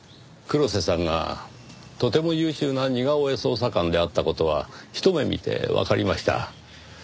黒瀬さんがとても優秀な似顔絵捜査官であった事はひと目見てわかりました。